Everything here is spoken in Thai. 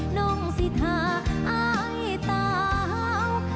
น้ำตา